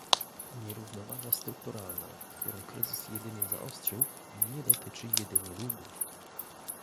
Nierównowaga strukturalna, którą kryzys jedynie zaostrzył, nie dotyczy jedynie długów